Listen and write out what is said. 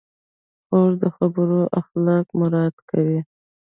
خور د خبرو اخلاق مراعت کوي.